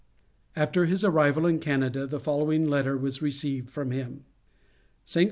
After his arrival in Canada, the following letter was received from him: ST.